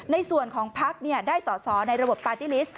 ในส่วนของภักดิ์เนี่ยได้สอสอในระบบปาร์ติลิสต์